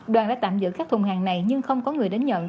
đoàn đã tạm giữ các thùng hàng này nhưng không có người đến nhận